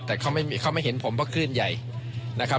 แต่เขาไม่เห็นผมเพราะคลื่นใหญ่นะครับ